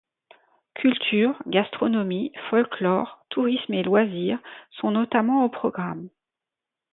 Culture, gastronomie, folklore, tourisme et loisirs sont notamment au programme.